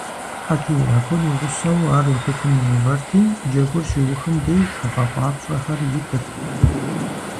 ХьэтиякӀуэр и гъусэу ар утыкум иувэрти, джэгур щиухым деж гъэфӀапщӀэхэр итырт.